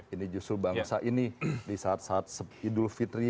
ini justru bangsa ini di saat saat idul fitri